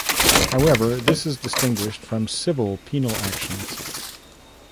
However this is distinguished from civil penal actions.